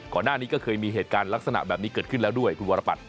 ก่อนหน้านี้ก็เคยมีเหตุการณ์ลักษณะแบบนี้เกิดขึ้นแล้วด้วยคุณวรปัต